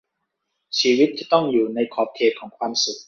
ชีวิตจะต้องอยู่ในขอบเขตของความสุข